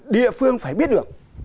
địa phương phải biết được